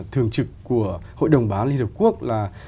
thường trực của hội đồng bảo an liên hợp quốc là